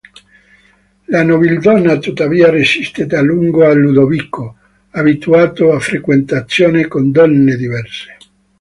La nobildonna tuttavia resistette a lungo a Ludovico, abituato a frequentazioni con donne diverse.